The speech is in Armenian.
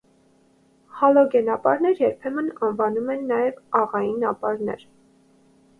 Հալոգեն ապարներ երբեմն անվանումեն նաև աղային ապարներ։